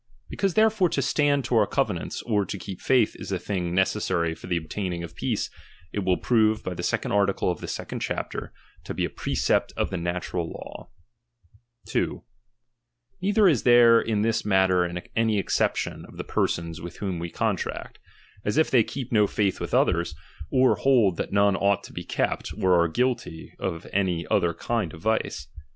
Because therefore to stand to our covenants, or to keep faith, is a thing necessary for the obtaining of peace ; it will prove, by the second article of the second chapter, to be a precept of the natural law. ThMfaithis 2. Neither is there in this matter any exception to be kepi niiii ■ i , e t all men »iih of the pcrsous With whom we contract ; as it they out KKepoon. j^ggp ^^ ^^jj.]^ ^,j^j^ Others, or hold that none ^L ought to be kept, or are guilty of any other kind ^H of vice.